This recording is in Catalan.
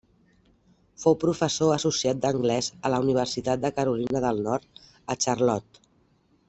Fou professor associat d'anglès a la Universitat de Carolina del Nord a Charlotte.